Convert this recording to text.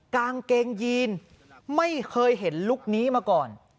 กางเกงยีนไม่เคยเห็นลุคนี้มาก่อน